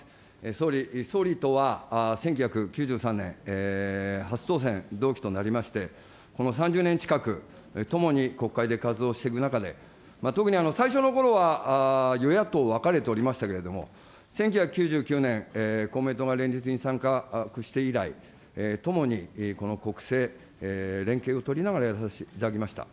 総理、総理とは１９９３年、初当選、同期となりまして、この３０年近く、共に国会で活動していく中で、特に最初のころは、与野党分かれておりましたけれども、１９９９年、公明党が連立に参画して以来、共にこの国政、連携を取りながらやらさせていただきました。